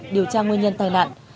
điều tra nguyên nhân tai nạn